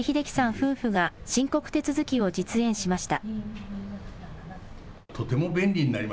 夫婦が申告手続きを実演しました。